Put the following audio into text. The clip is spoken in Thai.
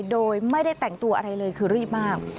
โดยไม่ได้แต่งตัวอะไรเลยคือรีบมาก